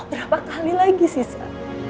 berapa kali lagi sisa